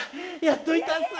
やっといたっす。